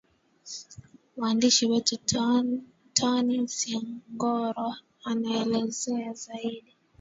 mwandishi wetu tony singoro anaelezea zaidi